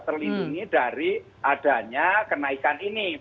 terlindungi dari adanya kenaikan ini